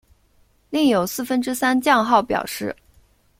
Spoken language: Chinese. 另有四分之三降号表示。